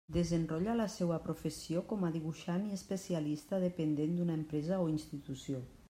Desenrotlla la seua professió com a dibuixant i especialista dependent d'una empresa o institució.